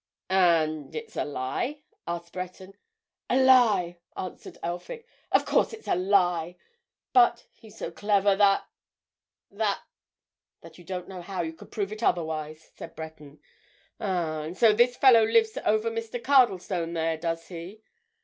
"And—it's a lie?" asked Breton. "A lie!" answered Elphick. "Of course, it's a lie. But—he's so clever that—that——" "That you don't know how you could prove it otherwise," said Breton. "Ah! And so this fellow lives over Mr. Cardlestone there, does he?